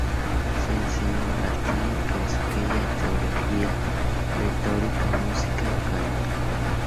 Se enseñó latín, filosofía, teología, retórica, música y canto.